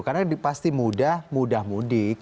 karena pasti mudah mudah mudik